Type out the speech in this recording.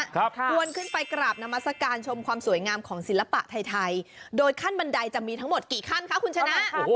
ควรขึ้นไปกราบนามัศกาลชมความสวยงามของศิลปะไทยไทยโดยขั้นบันไดจะมีทั้งหมดกี่ขั้นคะคุณชนะ